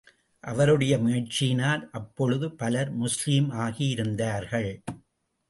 அவருடைய முயற்சியினால் அப்பொழுது பலர் முஸ்லிம் ஆகி இருந்தார்கள்.